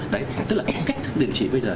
đấy tức là cách thức điều trị bây giờ